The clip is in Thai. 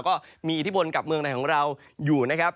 ก็มีอิทธิบนกับเมืองไหนของเราอยู่